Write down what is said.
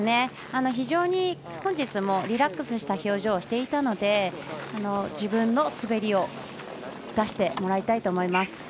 非常に本日もリラックスした表情をしていたので自分の滑りを出してもらいたいと思います。